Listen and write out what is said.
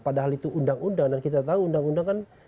padahal itu undang undang dan kita tahu undang undang kan